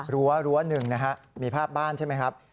รั้วรั้วหนึ่งนะครับมีภาพบ้านใช่ไหมครับ